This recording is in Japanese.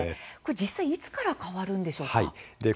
実際にいつから変わるんでしょうか。